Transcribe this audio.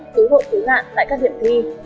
cứu hộ cứu nạn tại các điểm thi